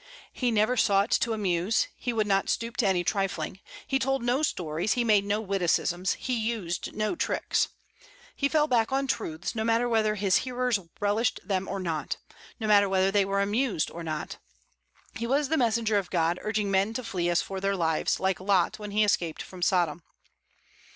He never sought to amuse; he would not stoop to any trifling. He told no stories; he made no witticisms; he used no tricks. He fell back on truths, no matter whether his hearers relished them or not; no matter whether they were amused or not. He was the messenger of God urging men to flee as for their lives, like Lot when he escaped from Sodom.